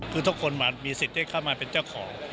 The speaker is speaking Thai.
คือทุกคนมีสิทธิ์ได้เข้ามาเป็นเจ้าของ